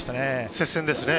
接戦ですね。